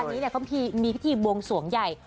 เมื่อวานนี้มีพิธีบวงสวงใหญ่